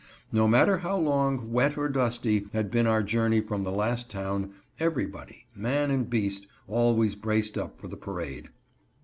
No matter how long, wet, or dusty had been our journey from the last town, everybody, man and beast, always braced up for the parade.